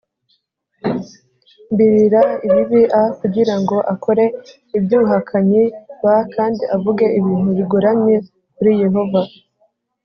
mbirira ibibi a kugira ngo akore iby ubuhakanyi b kandi avuge ibintu bigoramye kuri Yehova